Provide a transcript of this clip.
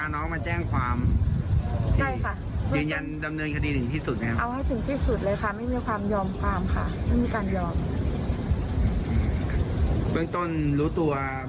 รู้ว่าบ้านคิดไหนลุค่ะ